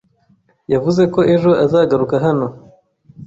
Yavuze ko ejo azagaruka hano.